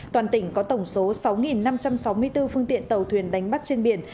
toàn tỉnh có tổng số sáu năm trăm sáu mươi bốn phương tiện tàu thuyền đánh bắt trên biển